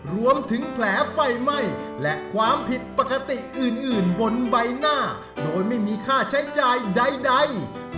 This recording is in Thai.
รวมถึงแผลไฟไหม้และความผิดปกติอื่นบนใบหน้าโดยไม่มีค่าใช้จ่ายใด